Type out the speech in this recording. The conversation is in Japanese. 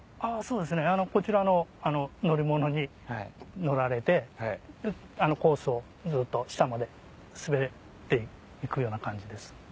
そうですねこちらの乗り物に乗られてあのコースをずっと下まで滑っていくような感じです。